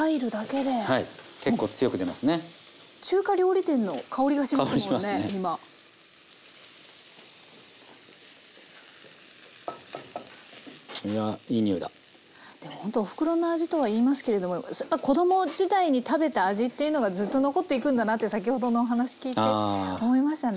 でもほんとおふくろの味とはいいますけれども子供時代に食べた味というのがずっと残っていくんだなと先ほどのお話聞いて思いましたね。